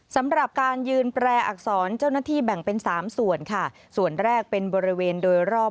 สำหรับการยืนแปรอักษรเจ้าหน้าที่แบ่งเป็นสามส่วนค่ะส่วนแรกเป็นบริเวณโดยรอบ